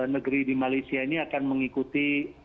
negeri di malaysia ini akan mengikuti